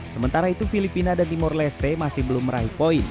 sementara itu filipina dan timur leste masih belum meraih poin